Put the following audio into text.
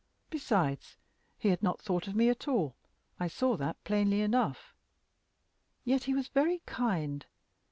Besides, he had not thought of me at all I saw that plainly enough. Yet he was very kind.